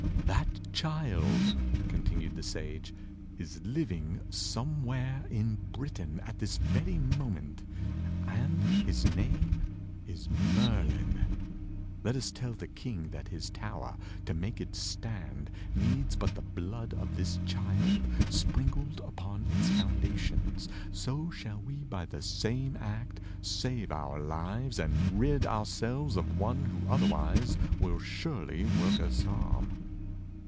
"That child," continued the Sage, "is living somewhere in Britain at this very moment, and his name is Merlin. Let us tell the King that his tower, to make it stand, needs but the blood of this child sprinkled upon its foundations. So shall we by the same act save our lives and rid ourselves of one who otherwise will surely work us harm."